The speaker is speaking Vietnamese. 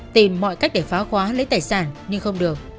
tìm mọi cách để phá khóa lấy tài sản nhưng không được